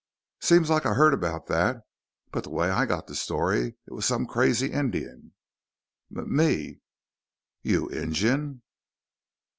"Seems like I heard about that. But the way I got the story, it was some crazy Indian." "M me." "You're Injun?"